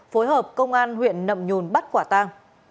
phối hợp công an huyện nậm nhùn bắt quả tang